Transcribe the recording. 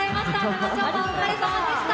長丁場お疲れさまでした！